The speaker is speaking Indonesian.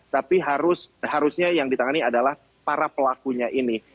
tapi harusnya yang ditangani adalah para pelakunya ini